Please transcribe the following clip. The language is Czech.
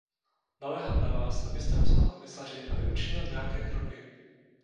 Naléhám na vás, abyste napsal komisaři, aby učinil nějaké kroky.